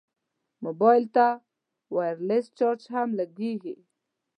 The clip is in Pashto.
موبایل ته وایرلس چارج هم لګېږي.